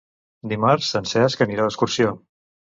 Dimarts en Cesc anirà d'excursió.